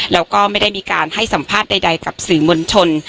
แล้วก็ไม่ได้มีการให้สัมภาษณ์ใดกับสื่อมวลชน